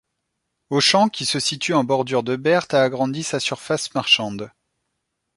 Auchan, qui se situe en bordure de Berthe a agrandi sa surface marchande.